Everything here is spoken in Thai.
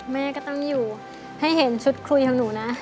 แม่ก็ต้องอยู่ให้เห็นชุดคุยของหนูนะ